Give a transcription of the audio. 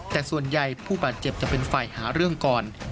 แต่ส่วนใหญ่ผู้บาดเจ็บจะเป็นฝ่ายหาเรื่องก่อน